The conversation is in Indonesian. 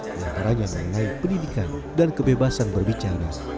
yang merupanya mengenai pendidikan dan kebebasan berbicara